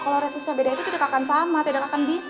kalau resusnya beda itu tidak akan sama tidak akan bisa